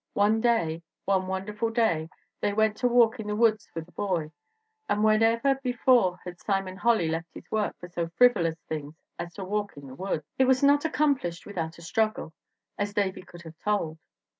One day one wonderful day they went to walk in the woods with the boy; and whenever before had Simon Holly left his work for so frivolous a thing as to walk in the woods! "It was not accomplished without a struggle, as David could have told.